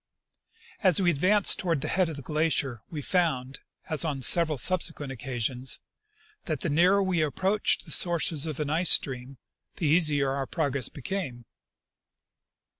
As we advanced toward the head of the glacier we found, as on several subsequent occasions, that the nearer we approached the sources of an ice stream the easier our progress became.